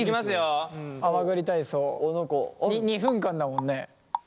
２分間だもんね。